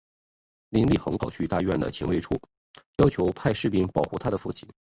林立衡跑去大院的警卫处要求派士兵保护她的父亲。